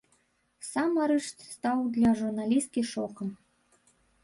Сам арышт стаў для журналісткі шокам.